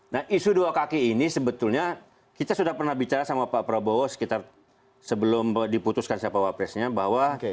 nah isu dua kaki ini sebetulnya kita sudah pernah bicara sama pak prabowo sekitar sebelum diputuskan siapa wapresnya bahwa